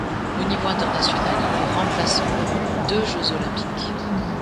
Au niveau international, il est remplaçant durant deux Jeux olympiques.